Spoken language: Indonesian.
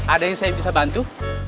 ada yang saya bisa bantu